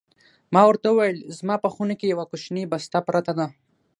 ما ورته وویل: زما په خونه کې یوه کوچنۍ بسته پرته ده.